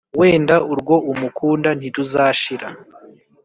Wenda urwo umukunda ntiruzashira